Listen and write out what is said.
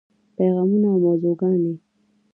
پیغامونه او موضوعګانې: